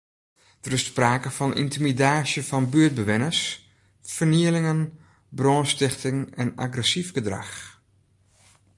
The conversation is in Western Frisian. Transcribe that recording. Der is sprake fan yntimidaasje fan buertbewenners, fernielingen, brânstichting en agressyf gedrach.